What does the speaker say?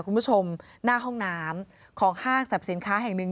คุณผู้ชมหน้าห้องน้ำของห้างสรรพสินค้าแห่งหนึ่ง